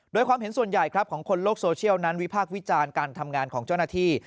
โดยความเห็นส่วนใหญ่ครับของคนโลกโซเชียลนั้นวิพากษ์วิจารณ์การทำงานของเจ้าหน้าที่